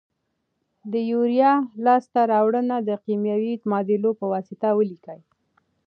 د یوریا لاس ته راوړنه د کیمیاوي معادلو په واسطه ولیکئ.